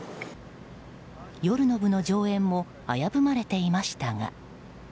夜の部の上演も危ぶまれていましたが。